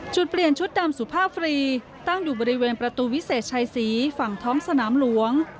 จุดเปลี่ยนชุดดำสุภาพฟรีตั้งอยู่บริเวณประตูวิเศษชัยศรีฝั่งท้องสนามหลวง